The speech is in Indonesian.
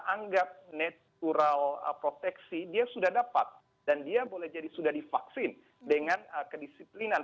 anggap natural proteksi dia sudah dapat dan dia boleh jadi sudah divaksin dengan kedisiplinan